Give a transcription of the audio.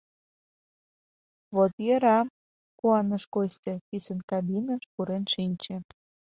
— Вот йӧра, — куаныш Костя, писын кабиныш пурен шинче.